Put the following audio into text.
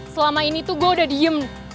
selama ini tuh gue udah diem